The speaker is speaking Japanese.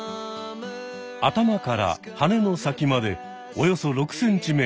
頭からはねの先までおよそ６ｃｍ。